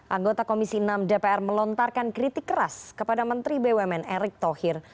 anggota komisi enam dpr melontarkan kritik keras kepada menteri bumn erick thohir